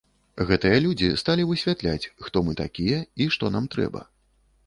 Гэтыя людзі сталі высвятляць, хто мы такія і што нам трэба.